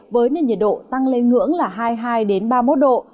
với nền nhiệt độ tăng lên ngưỡng là hai mươi hai ba mươi một độ